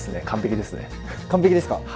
完璧ですか？